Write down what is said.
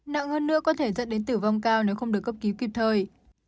nặng hơn nữa có thể dẫn đến tử vong cao nếu không được cấp cứu kịp thời